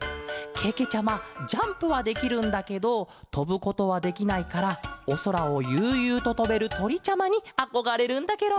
けけちゃまジャンプはできるんだけどとぶことはできないからおそらをゆうゆうととべるとりちゃまにあこがれるんだケロ。